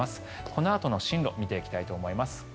このあとの進路を見ていきたいと思います。